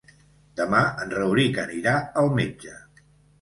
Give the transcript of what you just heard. Demà en Rauric anirà al metge.